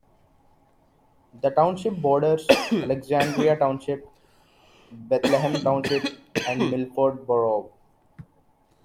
The township borders Alexandria Township, Bethlehem Township, and Milford Borough.